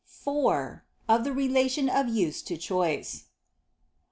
(4) Of the relation of use to choice.